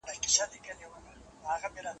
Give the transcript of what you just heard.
د عذاب علت یې کش کړ په مشوکي